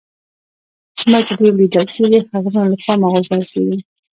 څومره چې ډېر لیدل کېږئ هغومره له پامه غورځول کېږئ